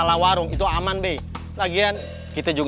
nadedu itu atau delleg obrig kiwang